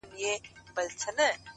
تا د ورځي زه د ځان كړمه جانـانـه،